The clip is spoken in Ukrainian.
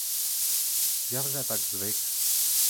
Я вже так звик.